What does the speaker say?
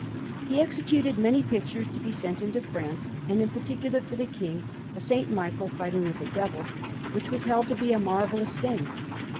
He executed many pictures to be sent into France, and in particular, for the King, a S. Michael fighting with the Devil, which was held to be a marvellous thing.